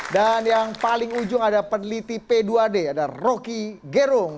dan yang paling ujung ada peneliti p dua d ada roki gerung